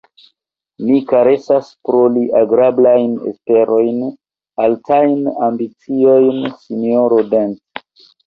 Mi karesas pro li agrablajn esperojn, altajn ambiciojn, sinjoro Dent.